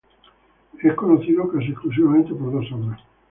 Es conocido casi exclusivamente por dos obras.